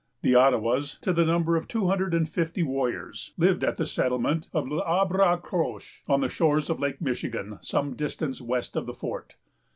The Ottawas, to the number of two hundred and fifty warriors, lived at the settlement of L'Arbre Croche, on the shores of Lake Michigan, some distance west of the fort.